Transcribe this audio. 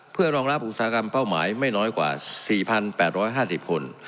เพื่อรองรับอุตสาหกรรมเป้าหมายไม่น้อยกว่า๔๘๕๐คน